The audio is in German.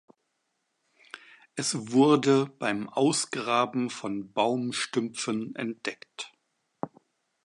Es wurde beim Ausgraben von Baumstümpfen entdeckt.